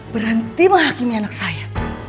berhenti menghakimi anak saya